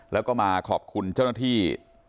แล้วก็มาขอบคุณเจ้าหน้าที่